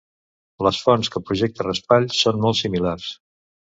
Les fonts que projecta Raspall són molt similars.